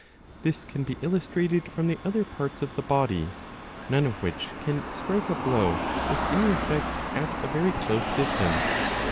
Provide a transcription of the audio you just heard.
This can be illustrated from the other parts of the body, none of which can strike a blow with any effect at a very close distance.